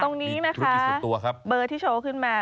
ตรงนี้นะคะเบอร์ที่โชว์ขึ้นมา